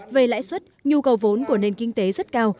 về lãi suất nhu cầu vốn của nền kinh tế rất cao